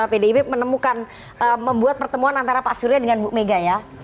pdip menemukan membuat pertemuan antara pak surya dengan bu mega ya